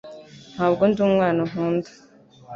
Ntabwo ndi umwana nkunda.